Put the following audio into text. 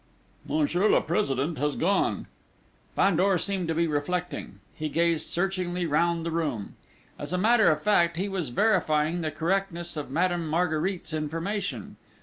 "Monsieur le President has gone." Fandor seemed to be reflecting. He gazed searchingly round the room. As a matter of fact, he was verifying the correctness of Madame Marguerite's information.